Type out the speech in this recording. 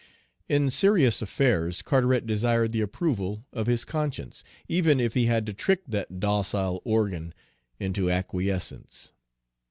In serious affairs Carteret desired the approval of his conscience, even if he had to trick that docile organ into acquiescence.